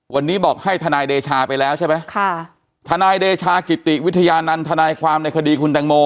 วันนี้บอกให้ทนายเดชาไปแล้วใช่ไหมค่ะทนายเดชากิติวิทยานันต์ทนายความในคดีคุณแตงโม